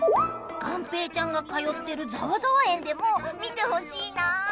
がんぺーちゃんが通ってるざわざわえんでも見てほしいな！